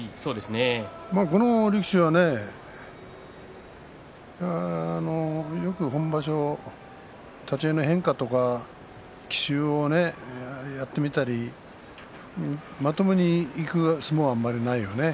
この力士は、よく本場所立ち合いの変化とか奇襲をやってみたりまともにいく相撲はあまりないよね。